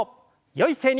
よい姿勢に。